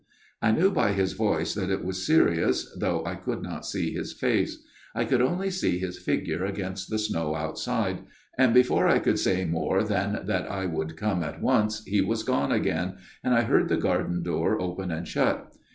" I knew by his voice that it was serious, though I could not see his face ; I could only see his figure against the snow outside ; and before I could say more than that I would come at once, he was gone again, and I heard the garden door open and shut.